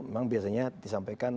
memang biasanya disampaikan